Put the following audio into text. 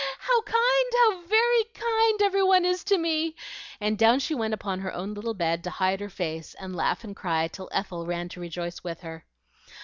How kind, how very kind, every one is to me!" and down she went upon her own little bed to hide her face and laugh and cry till Ethel ran to rejoice with her.